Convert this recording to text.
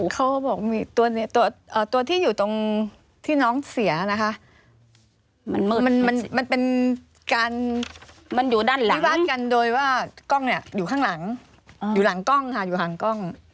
เขาบอกมีตัวนี้ตัวที่อยู่ตรงที่น้องเสียนะคะมันเป็นการมิวาดกันโดยว่ากล้องเนี่ยอยู่ข้างหลังอยู่หลังกล้องค่ะอยู่หลังกล้อง